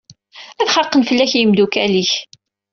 Ad xaqen fell-ak yemdukal-ik.